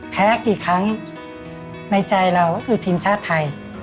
กี่ครั้งในใจเราก็คือทีมชาติไทย